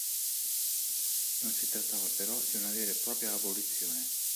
Non si trattava però di una vera e propria abolizione.